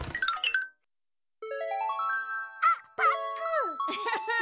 あっパックン！